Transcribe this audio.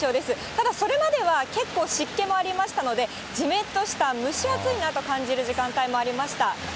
ただ、それまで結構湿気もありましたので、じめっとした蒸し暑いなと感じる時間帯もありました。